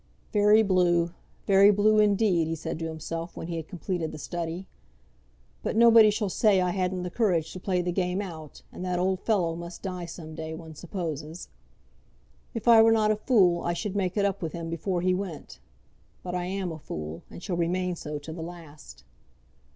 "Very blue; very blue, indeed," he said to himself when he had completed the study. "But nobody shall say I hadn't the courage to play the game out, and that old fellow must die some day, one supposes. If I were not a fool, I should make it up with him before he went; but I am a fool, and shall remain so to the last."